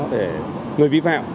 để người vi phạm